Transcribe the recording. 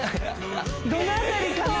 どの辺りかな？